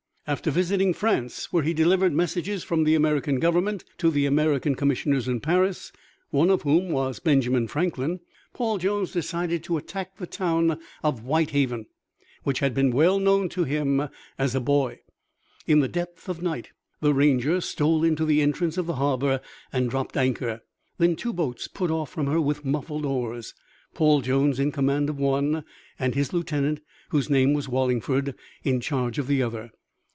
After visiting France, where he delivered messages from the American Government to the American Commissioners in Paris, one of whom was Benjamin Franklin, Paul Jones decided to attack the town of Whitehaven, which had been well known to him as a boy. In the depth of night the Ranger stole into the entrance of the harbor and dropped anchor. Then two boats put off from her with muffled oars, Paul Jones in command of one and his lieutenant, whose name was Wallingford, in charge of the other.